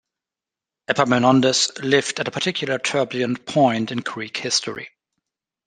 Epaminondas lived at a particularly turbulent point in Greek history.